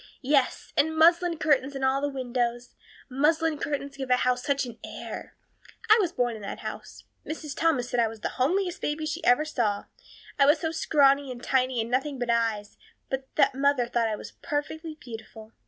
Yes, and muslin curtains in all the windows. Muslin curtains give a house such an air. I was born in that house. Mrs. Thomas said I was the homeliest baby she ever saw, I was so scrawny and tiny and nothing but eyes, but that mother thought I was perfectly beautiful.